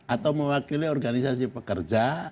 atau mewakili organisasi pekerja